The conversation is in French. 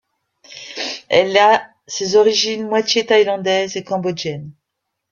Elle a ses origines moitiés Thaïlandaise & Cambodgienne.